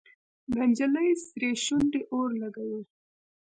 د نجلۍ سرې شونډې اور لګوي.